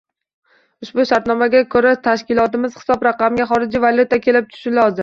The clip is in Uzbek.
Ushbu shartnomaga ko‘ra tashkilotimiz hisob raqamiga xorijiy valyuta kelib tushishi lozim.